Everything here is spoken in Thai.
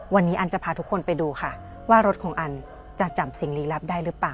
วันนี้อันจะพาทุกคนไปดูค่ะว่ารถของอันจะจำสิ่งลี้ลับได้หรือเปล่า